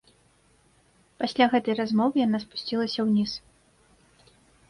Пасля гэтай размовы яна спусцілася ўніз.